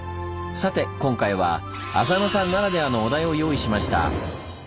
さて今回は浅野さんならではのお題を用意しました。